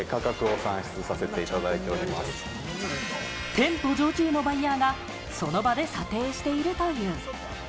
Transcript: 店舗常駐のバイヤーがその場で査定しているという。